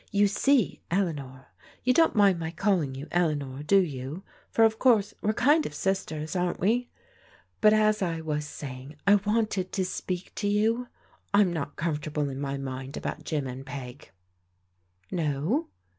"You see, Eleanor, — ^you don't mind my calling you Eleanor, do you, for of course we're kind of sisters, aren't we? But as I was saying, I wanted to speak to you. I'm not comfortable in my mind about Jim and Peg." " No